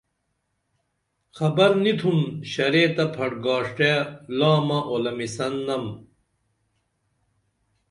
خبر نی تُھن شرے تہ پھٹ گاݜٹے لامہ اولمیسن نم